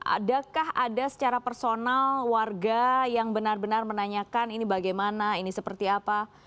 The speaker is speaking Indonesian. adakah ada secara personal warga yang benar benar menanyakan ini bagaimana ini seperti apa